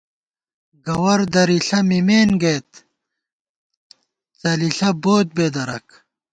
گوَر درِݪہ مِمېن گئیت، څَلِݪہ بوت بےدَرَک